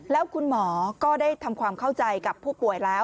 แล้วคุณหมอก็ได้ทำความเข้าใจกับผู้ป่วยแล้ว